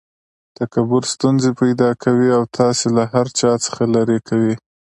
تکبر ستونزي پیدا کوي او تاسي له هر چا څخه ليري کوي.